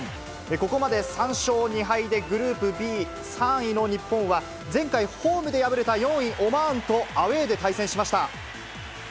ここまで３勝２敗で、グループＢ３位の日本は前回、ホームで敗れた４位オマーンとアウエーで対戦しました。